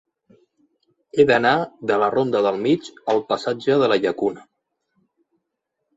He d'anar de la ronda del Mig al passatge de la Llacuna.